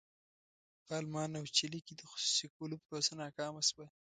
په المان او چیلي کې د خصوصي کولو پروسه ناکامه شوه.